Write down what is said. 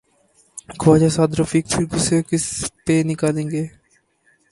خواجہ سعدرفیق پھر غصہ کس پہ نکالیں گے؟